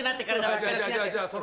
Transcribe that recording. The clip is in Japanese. じゃあじゃあその。